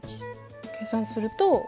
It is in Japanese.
計算すると。